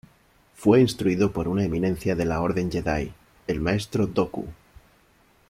Fue instruido por una eminencia de la Orden Jedi: el Maestro Dooku.